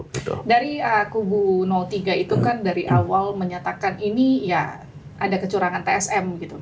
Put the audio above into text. kalau dari kubu tiga itu kan dari awal menyatakan ini ya ada kecurangan tsm gitu